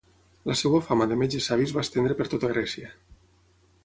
La seva fama de metge savi es va estendre per tota Grècia.